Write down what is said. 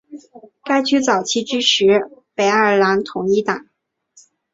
该区早期支持北爱尔兰统一党。